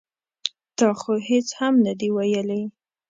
ـ تا خو هېڅ هم نه دي ویلي.